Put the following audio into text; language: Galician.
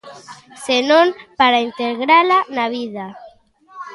Senón para integrala na vida.